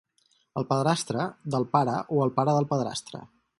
El padrastre del pare o el pare del padrastre.